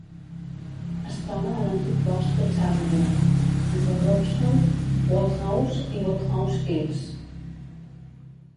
Es troba a l'antic Bosc de Charnwood, entre Cropston, Woodhouse i Woodhouse Eaves.